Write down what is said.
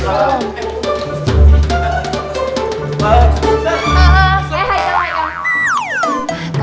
eh haikal maika